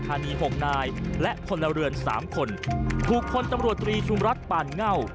อุดรธานีหกนายและคนแล้วเรือนสามคนทุกคนตำรวจตรีชุมรัฐป่านเง่า